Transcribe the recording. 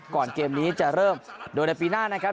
เกมนี้จะเริ่มโดยในปีหน้านะครับ